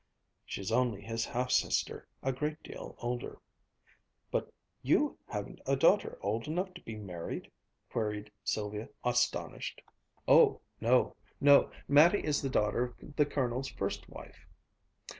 "She's only his half sister, a great deal older." "But you haven't a daughter old enough to be married?" queried Sylvia, astonished. "Oh no no. Mattie is the daughter of the Colonel's first wife."